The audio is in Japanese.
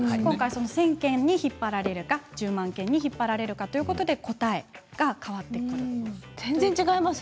１０００件に引っ張られるか１０万件に引っ張られるかで答えが変わってきます。